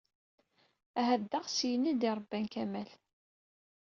Ahat d aɣsiyen i d-iṛebban Kamal.